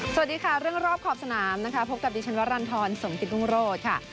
สวัสดีค่ะเรื่องรอบขอบสนามนะคะพบกับดิฉันวรรณฑรสมกิตรุงโรศค่ะ